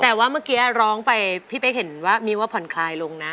แต่ว่าเมื่อกี้ร้องไปพี่เป๊กเห็นว่ามีว่าผ่อนคลายลงนะ